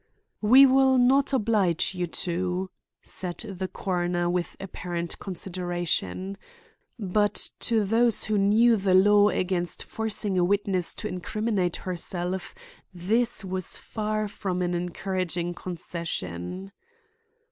"We will not oblige you to," said the coroner with apparent consideration. But to those who knew the law against forcing a witness to incriminate himself, this was far from an encouraging concession.